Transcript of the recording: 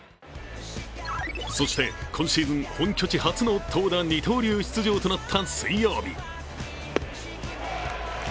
そして、今シーズン本拠地初の投打二刀流出場となった水曜日。